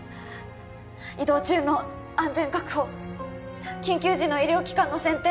移動中の安全確保緊急時の医療機関の選定